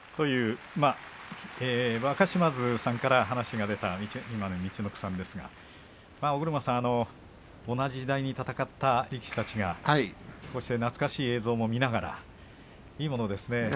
若嶋津さんから話が出た今の陸奥さんですが尾車さん、同じ時代に戦った力士たちがこうした懐かしい映像を見ながらいいものですね。